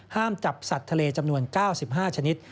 จับสัตว์ทะเลจำนวน๙๕ชนิด